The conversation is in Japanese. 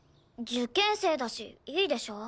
受験生だしいいでしょ？